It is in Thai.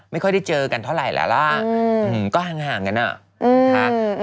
ไม่ค่อยได้เจอกันเท่าไหร่แล้วล่ะก็ห่างกันอ่ะนะคะ